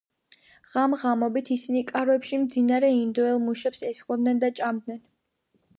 ღამ-ღამობით ისინი კარვებში მძინარე ინდოელ მუშებს ესხმოდნენ და ჭამდნენ.